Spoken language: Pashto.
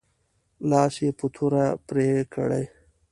لاس یې په توره پرې کړ.